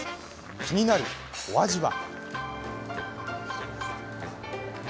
気になるお味は？